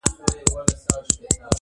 د دلدار د فراق غم را باندي ډېر سو!!